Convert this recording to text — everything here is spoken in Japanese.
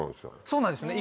そうなんですよね